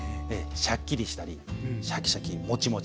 シャッキリしたりシャキシャキもちもち